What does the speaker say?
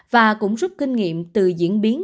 và cũng rút kinh nghiệm từ diễn biến